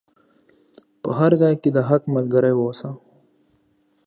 هنر د انسان باطن د نورو په وړاندې روښانه او شفافوي.